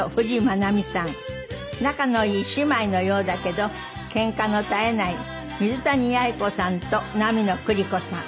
仲のいい姉妹のようだけどケンカの絶えない水谷八重子さんと波乃久里子さん。